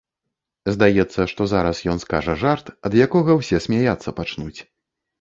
Здаецца, што зараз ён скажа жарт, ад якога ўсе смяяцца пачнуць.